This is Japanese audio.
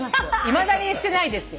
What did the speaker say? いまだに捨てないですよ。